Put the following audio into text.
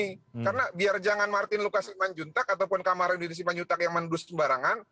karena biar jangan martin lukas iman juntag ataupun kamar universitas iman juntag yang menuduh sembarangan